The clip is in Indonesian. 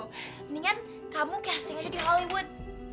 mendingan kamu casting aja di hollywood